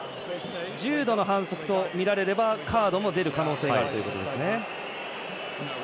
重度の反則と見られればカードも出る可能性がっていうことですよね。